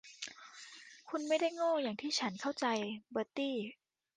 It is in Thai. คุณไม่ได้โง่อย่างที่ฉันเข้าใจ เบอร์ตี้